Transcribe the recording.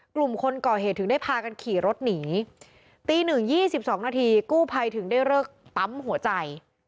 กลุ่มคนก่อเหตุถึงได้พากันขี่รถหนีตีหนึ่งยี่สิบสองนาทีกู้ภัยถึงได้เลิกปั๊มหัวใจ